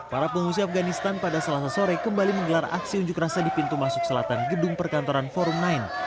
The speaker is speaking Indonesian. para pengungsi afganistan pada selasa sore kembali menggelar aksi unjuk rasa di pintu masuk selatan gedung perkantoran forum sembilan